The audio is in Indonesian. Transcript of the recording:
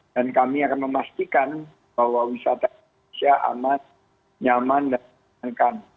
dan kami akan memastikan bahwa wisata di indonesia amat nyaman dan menyenangkan